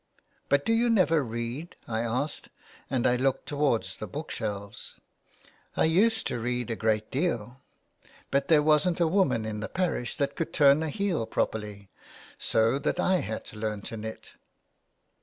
" But do you never read ?" I asked, and I looked towards the book shelves. " I used to read a great deal. But there wasn't a woman in the parish that could turn a heel properly, so that I had to learn to knit."